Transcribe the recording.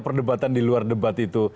perdebatan di luar debat itu